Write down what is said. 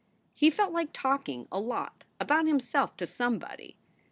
He felt like talking a lot about himself to somebody.